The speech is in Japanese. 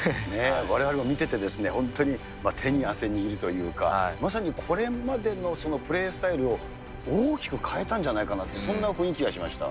われわれも見ててですね、本当に手に汗握るというか、まさにこれまでのプレースタイルを大きく変えたんじゃないかなって、そんな雰囲気がしました。